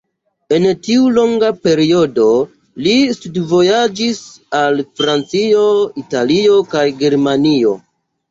En tiu longa periodo li studvojaĝis al Francio, Italio kaj Germanio.